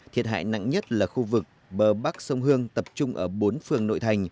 thiệt hại nặng nhất là khu vực bờ bắc sông hương tập trung ở bốn phường nội thành